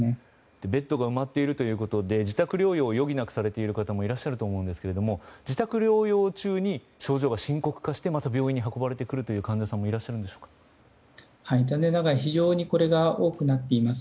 ベッドが埋まっているということで自宅療養を余儀なくされている方もいらっしゃると思いますが自宅療養中に症状が深刻化してまた病院に運ばれてくるという患者さんも残念ながらこれが非常に多くなっています。